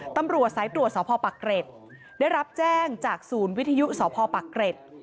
ตำรวจสายตรวจสพปักเกร็ดได้รับแจ้งจากศูนย์วิทยุสพปักเกร็ด